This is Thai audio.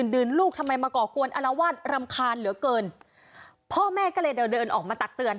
เดินลูกทำไมมากอบควัญอะเลวร์สรรคานเหลือเกินพ่อแม่ก็เลยเดียวเดินออกมาตัดเตือน